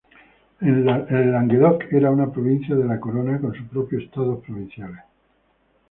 El Languedoc era una provincia de la Corona con su propio Estados Provinciales.